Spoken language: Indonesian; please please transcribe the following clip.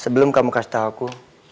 sebelum kamu kasih tahu aku